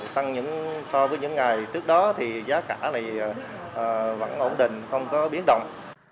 tăng so với những ngày trước đó giá cả vẫn ổn định không có biến động